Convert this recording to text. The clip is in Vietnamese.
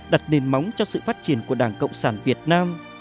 đặt nền móng cho sự phát triển của đảng cộng sản việt nam